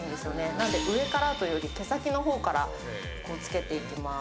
なので、上からというより毛先の方からつけていきます。